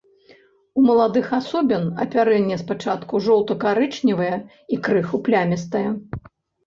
У маладых асобін апярэнне спачатку жоўта-карычневае і крыху плямістае.